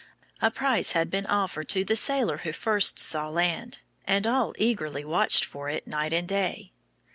A prize had been offered to the sailor who first saw land, and all eagerly watched for it night and day.